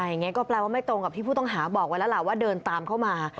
อย่างนี้ก็แปลว่าไม่ตรงกับที่ผู้ต้องหาบอกไว้แล้วล่ะว่าเดินตามเข้ามา